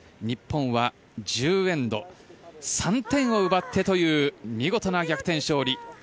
日本は１０エンド３点を奪ってという見事な逆転勝利。